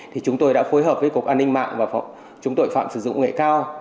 thì chúng tôi đã phối hợp với cục an ninh mạng và chúng tội phạm sử dụng nghệ cao